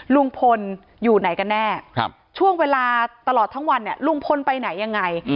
ลุงพลอยู่ไหนกันแน่ช่วงเวลาตลอดทั้งวันเนี่ยลุงพลไปไหนยังไง